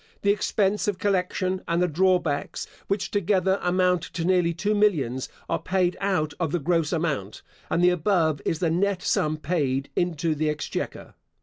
(The expense of collection and the drawbacks, which together amount to nearly two millions, are paid out of the gross amount; and the above is the net sum paid into the exchequer).